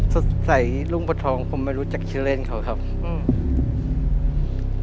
สดใสรุ่งประทองผมไม่รู้จักชื่อเล่นเขาครับอืม